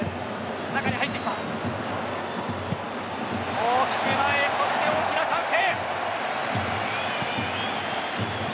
大きく前へ、そして大きな歓声。